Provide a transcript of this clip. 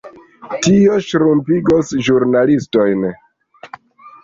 Tio ŝrumpigos ĵurnalistojn.